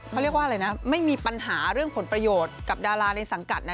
เขาเรียกว่าอะไรนะไม่มีปัญหาเรื่องผลประโยชน์กับดาราในสังกัดนะ